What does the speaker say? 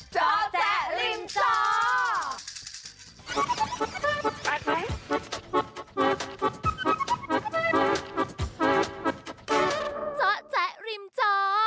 จ๊อแจ๊ะริมจ๊อ